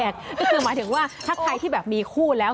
ก็คือหมายถึงว่าถ้าใครที่แบบมีคู่แล้ว